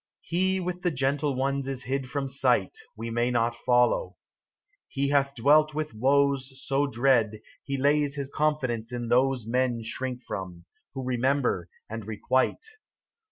HE with the Gentle Ones is hid from sight : We may not follow. He hath dwelt with woes So dread, he lays his confidence in those Men shrink from, who remember and requite.